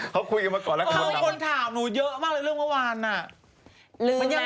เหมือนคนถามหนูเยอะมากเลยเรื่องเมื่อวาน